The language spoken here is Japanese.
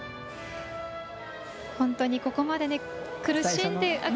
本当にここまで苦しんで。